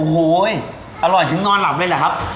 โอ้โหอร่อยถึงนอนหลับเลยเหรอครับ